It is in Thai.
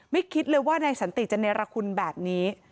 คิดเลยว่านายสันติจะเนรคุณแบบนี้